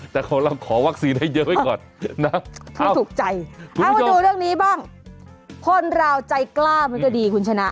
แต่ขอลองขอวัคซีนให้เยอะไว้ก่อนนะให้ถูกใจเอามาดูเรื่องนี้บ้างคนเราใจกล้ามันก็ดีคุณชนะ